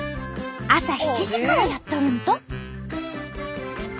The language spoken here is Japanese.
朝７時からやっとるんと！